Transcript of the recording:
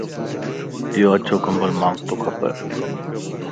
يو اڇو ڪمبل مانک تو کپا